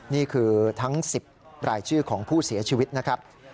นี่คือทั้ง๑๐รายชื่อของผู้เสียชีวิตนะครับ